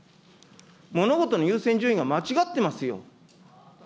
物事の優先順位が間違ってますよ。